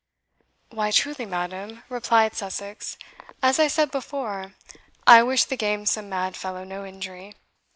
"Why, truly, madam," replied Sussex, "as I said before, I wish the gamesome mad fellow no injury.